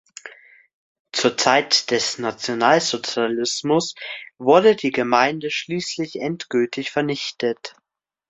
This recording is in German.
Zur Zeit des Nationalsozialismus wurde die Gemeinde schließlich endgültig vernichtet.